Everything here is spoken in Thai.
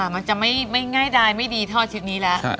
มันจะไม่ง่ายดายไม่ดีเท่าชุดนี้แล้ว